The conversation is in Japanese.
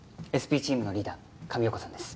ＳＰチームのリーダー神岡さんです